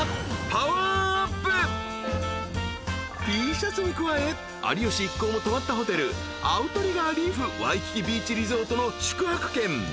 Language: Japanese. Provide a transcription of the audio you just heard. ［Ｔシャツに加え有吉一行も泊まったホテルアウトリガー・リーフ・ワイキキ・ビーチ・リゾートの宿泊券］